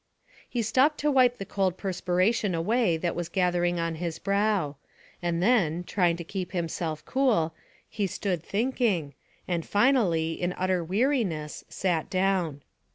He stopped to wipe the cold perspiration away that was gathering on his brow, and then, trying to keep himself cool, he stood thinking, and finally, in utter weariness, sat down.